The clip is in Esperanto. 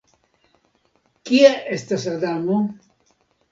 Kie estas Adamo?